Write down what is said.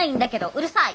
うるさい！